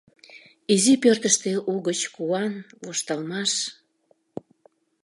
Изи пӧртыштӧ угыч куан, воштылмаш.